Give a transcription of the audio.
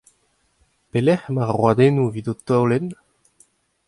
Pelecʼh emañ ar roadennoù evit ho taolenn ?